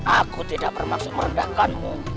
aku tidak bermaksud merendahkanmu